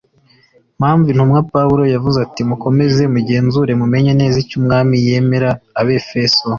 mpamvu intumwa pawulo yavuze ati mukomeze mugenzure mumenye neza icyo umwami yemera abefeso